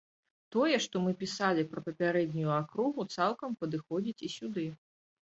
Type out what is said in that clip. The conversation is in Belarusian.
Тое, што мы пісалі пра папярэднюю акругу, цалкам падыходзіць і сюды.